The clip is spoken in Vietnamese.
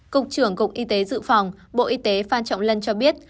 cục trưởng cục y tế dự phòng bộ y tế phan trọng lân cho biết